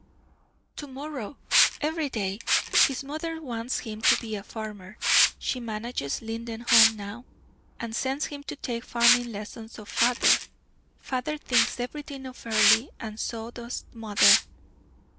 "To morrow. Every day. His mother wants him to be a farmer. She manages Lindenholm now, and sends him to take farming lessons of father. Father thinks everything of Earle, and so does mother."